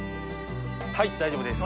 はい大丈夫です。